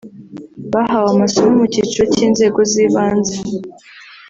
bahawe amasomo mu cyiciro cy’inzego z’ibanze